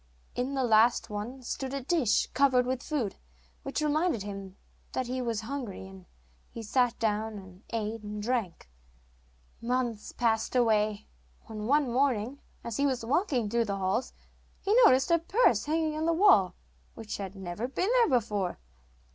In the last one stood a dish, covered with food, which reminded him that he was hungry, and he sat down and ate and drank. Months passed away, when, one morning, as he was walking through the halls, he noticed a purse hanging on the wall, which had never been there before.